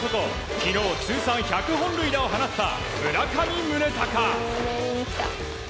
昨日、通算１００本塁打を放った村上宗隆。